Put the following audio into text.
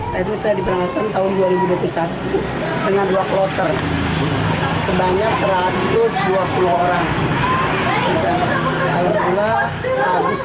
tadi saya diberangkatkan tahun dua ribu dua puluh satu dengan dua kloter sebanyak satu ratus dua puluh orang